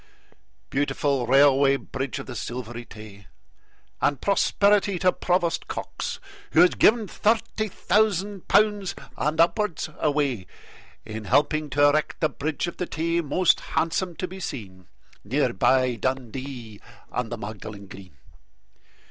Beautiful Railway Bridge of the Silvery Tay! And prosperity to Provost Cox, who has given Thirty thousand pounds and upwards away In helping to erect the Bridge of the Tay, Most handsome to be seen, Near by Dundee and the Magdalen Green.